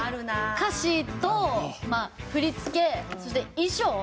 歌詞と振り付けそして衣装。